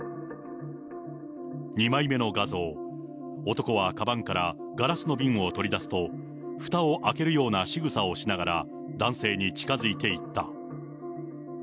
２枚目の画像、男はかばんからガラスの瓶を取り出すと、ふたを開けるようなしぐさをしながら男性に近づいていった。